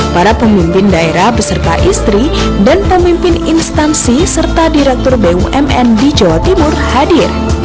para pemimpin daerah beserta istri dan pemimpin instansi serta direktur bumn di jawa timur hadir